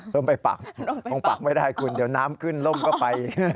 ไปปักคงปักไม่ได้คุณเดี๋ยวน้ำขึ้นล่มก็ไป